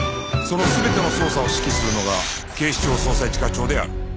その全ての捜査を指揮するのが警視庁捜査一課長である